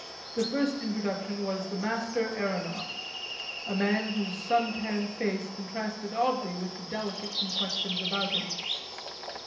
This first introduction was the Master Aeronaut, a man whose sun tanned face contrasted oddly with the delicate complexions about him.